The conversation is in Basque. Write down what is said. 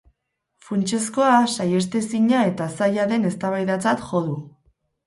Funtsezkoa, sahiestezina eta zaila den eztabaidatzat jo du.